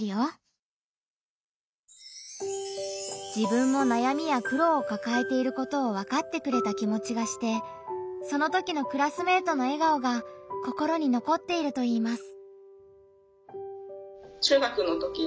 自分も悩みや苦労をかかえていることを分かってくれた気持ちがしてそのときのクラスメートの笑顔が心に残っているといいます。